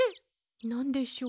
なんでしょう？